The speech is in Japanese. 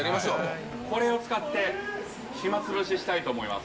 これを使って暇つぶししたいと思います。